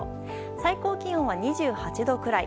最高気温は２８度くらい。